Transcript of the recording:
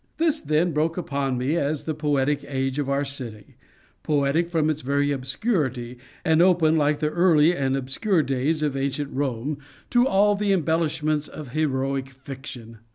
This, then, broke upon me as the poetic age of our city; poetic from its very obscurity, and open, like the early and obscure days of ancient Rome, to all the embellishments of heroic fiction.